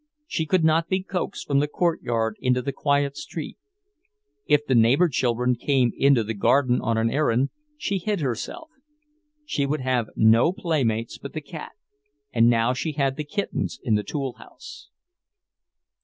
She could not be coaxed from the court yard into the quiet street. If the neighbour children came into the garden on an errand, she hid herself. She would have no playmates but the cat; and now she had the kittens in the tool house.